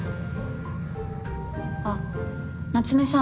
あっ夏目さん